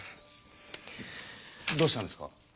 どうしたんですか？